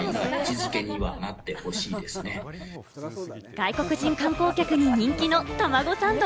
外国人観光客に人気のたまごサンド。